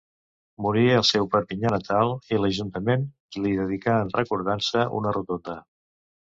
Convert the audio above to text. Morí al seu Perpinyà natal, i l'ajuntament li dedicà, en recordança, una rotonda.